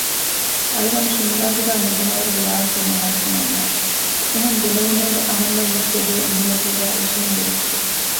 އަޅުގަނޑު ޝިމް ގާތުގައި ނުުބުނާވަރުގެ ވާހަކައެއް މިހާރަކު ނޯންނާނެ އެހެން ބުނެވުނުއިރު އަހަންނަށްވެސް ތެދުވެ އެނދުމަތީގައި އިށީނދެވިއްޖެ